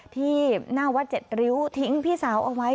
ที่หน้าวัด๗ริ้วทิ้งพี่สาวเอาไว้